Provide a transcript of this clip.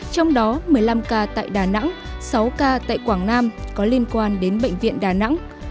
trong đó một mươi năm ca tại đà nẵng sáu ca tại quảng nam có liên quan đến bệnh viện đà nẵng